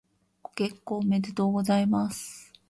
ご結婚おめでとうございます。